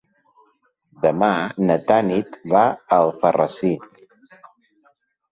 Demà na Tanit va a Alfarrasí.